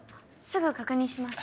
すぐ確認します。